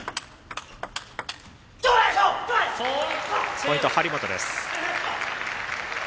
ポイント、張本です。